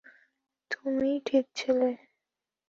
তুমিই ঠিক ছিলে।